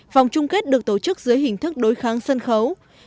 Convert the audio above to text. vòng chung kết được tổ chức dưới hình thức đối kháng sân khấu